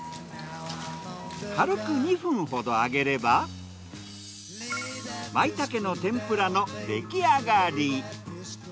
軽く２分ほど揚げればまいたけの天ぷらの出来上がり。